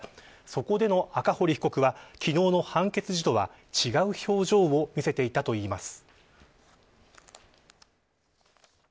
そこでの赤堀被告は昨日の判決時とは違う表情を見せていたといいます。